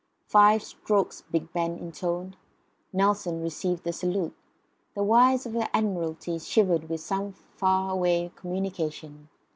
Five strokes Big Ben intoned; Nelson received the salute. The wires of the Admiralty shivered with some far away communication.